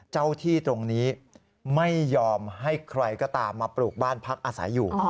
เจ้าที่ตรงนี้ไม่ยอมให้ใครก็ตามมาปลูกบ้านพักอาศัยอยู่